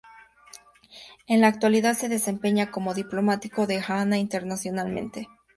En la actualidad se desempeña como diplomático de Ghana internacionalmente.